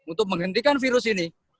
untuk menghentikan virus ini